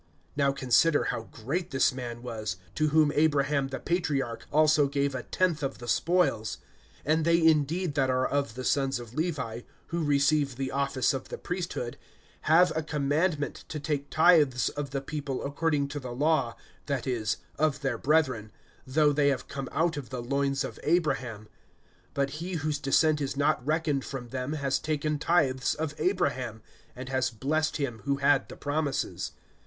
(4)Now consider how great this man was, to whom Abraham the patriarch also gave a tenth of the spoils. (5)And they indeed that are of the sons of Levi, who receive the office of the priesthood, have a commandment to take tithes of the people according to the law, that is, of their brethren, though they have come out of the loins of Abraham; (6)but he whose descent is not reckoned from them has taken tithes of Abraham, and has blessed him who had the promises.